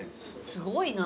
すごいな。